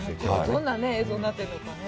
どんな映像になっているのかね。